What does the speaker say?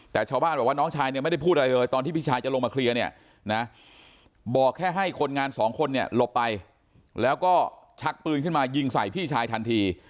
แต่ชาวบ้านบอกว่าน้องชายเนี่ยไม่ได้พูดอะไรเลยตอนที่พี่ชายจะลงมาเคลียร์เนี่ยนะบอกแค่ให้คนงานสองคนเนี่ยหลบไปแล้วก็ชักปืนขึ้นมายิงใส่พี่ชายทันที